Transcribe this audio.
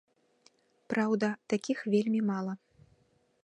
Праўда, такіх вельмі мала.